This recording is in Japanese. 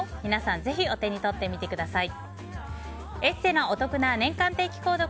ぜひお手に取ってみてください。